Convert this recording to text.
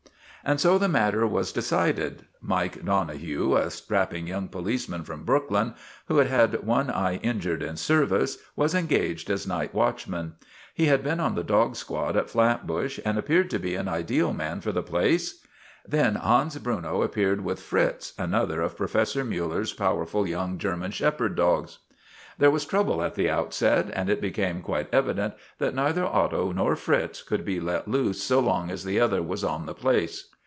And so the matter was decided. Mike Donohue, a strapping young policeman from Brooklyn, who had had one eye injured in service, was engaged as night watchman. He had been on the dog squad in Flatbush and appeared to be an ideal man for the place. Then Hans Bruno appeared with Fritz, an 142 STRIKE AT TIVERTON MANOR other of Professor Muller's powerful young German shepherd dogs. There was trouble at the outset, and it became quite evident that neither Otto nor Fritz could be let loose so long as the other was on the place.